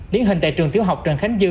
điển hình tại trường tiếu học trần khánh dư